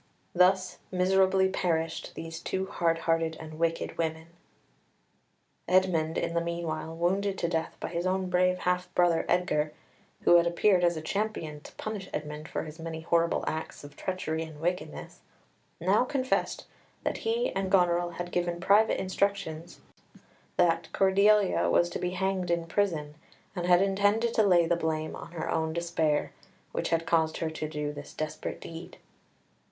Thus miserably perished these two hard hearted and wicked women. Edmund in the meanwhile, wounded to death by his own brave half brother Edgar, who had appeared as champion to punish Edmund for his many horrible acts of treachery and wickedness, now confessed that he and Goneril had given private instructions that Cordelia was to be hanged in prison, and had intended to lay the blame on her own despair, which had caused her to do this desperate deed.